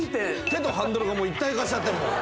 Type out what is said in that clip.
手とハンドルが一体化しちゃってるもん。